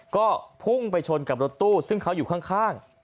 ก็พุ่งไปชนกับรถตู้ซึ่งเขาอยู่ข้าง